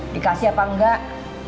dikasih apa enggak